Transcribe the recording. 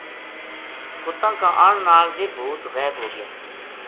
کُتاں کا آن نال ویہ بھُوت غیب ہو گیا